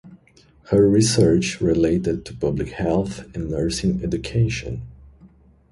Her research related to public health and nursing education.